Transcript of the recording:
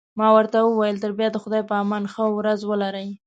ما ورته وویل: تر بیا د خدای په امان، ښه ورځ ولرئ.